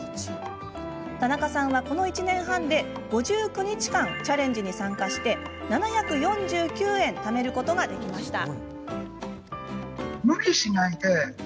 田中さんは、この１年半で５９日チャレンジに参加し７４９円ためることができました。